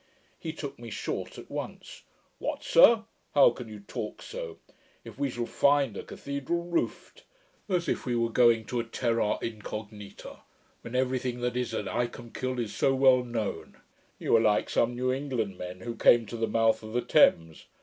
He took me short at once. 'What, sir? How can you talk so? If we shall FIND a cathedral roofed! As if we were going to a terra incognita; when every thing that is at Icolmkill is so well known. You are like some New England men who came to the mouth of the Thames.